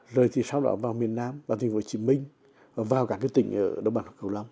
rồi thì sau đó vào miền nam vào nghệ hồ chí minh vào cả cái tỉnh ở đông bản học cầu lâm